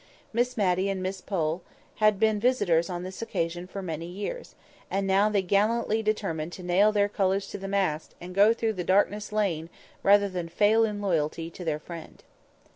Miss Matty and Miss Pole had been visitors on this occasion for many years, and now they gallantly determined to nail their colours to the mast, and to go through Darkness Lane rather than fail in loyalty to their friend.